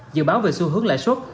dự báo về xu hướng lãi suất